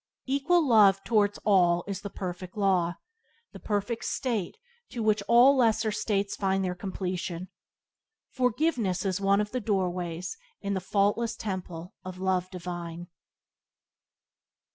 Equal love towards all is the perfect law, the perfect state in which all lesser states find their completion. Forgiveness is one of the doorways in the faultless temple of Love Divine.